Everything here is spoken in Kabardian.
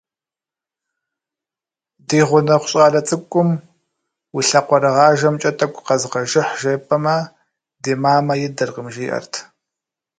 Ди гъунэгъу щӏалэ цӏыкӏум «уи лъакъуэрыгъажэмкӏэ тӏэкӏу къэзгъэжыхь» жепӏэмэ, «ди мамэ идэркъым» жиӏэрт.